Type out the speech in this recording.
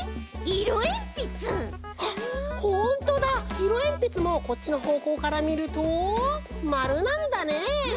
いろえんぴつもこっちのほうこうからみるとまるなんだね！